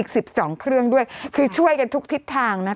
กรมป้องกันแล้วก็บรรเทาสาธารณภัยนะคะ